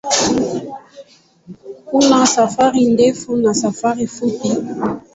Kuna safari ndefu na safari fupi.